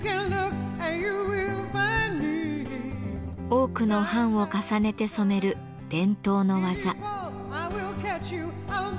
多くの版を重ねて染める伝統の技。